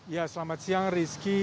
ya selamat siang rizky